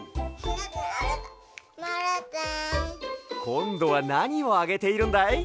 こんどはなにをあげているんだい？